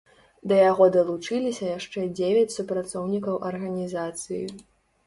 Да яго далучыліся яшчэ дзевяць супрацоўнікаў арганізацыі.